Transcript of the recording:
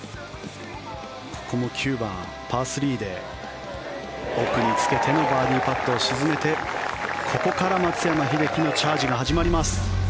ここも９番、パー３で奥につけてのバーディーパットを沈めてここから松山英樹のチャージが始まります。